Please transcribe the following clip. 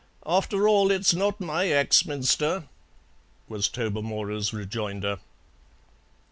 "After all, it's not my Axminster," was Tobermory's rejoinder.